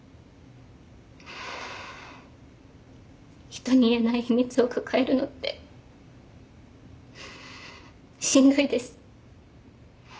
人に言えない秘密を抱えるのってしんどいです。